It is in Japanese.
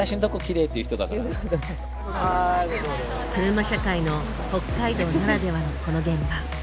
車社会の北海道ならではのこの現場。